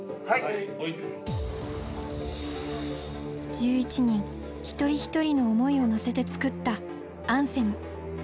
１１人一人一人の思いを乗せて作ったアンセム。